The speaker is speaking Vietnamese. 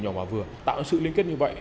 nhỏ và vừa tạo ra sự liên kết như vậy